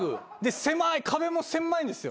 壁も狭いんですよ。